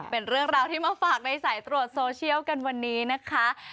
เป็นเรื่องราวที่มาฝากในสายตรวจโซเชียลกันวันนี้นะคะ